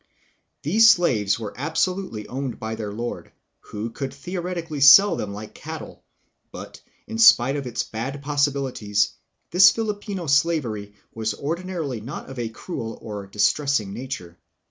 'These slaves were absolutely owned by their lord, who could theoretically sell them like cattle; but, in spite of its bad possibilities, this Filipino slavery was apparently not of a cruel or distressing nature.